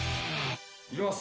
いきます！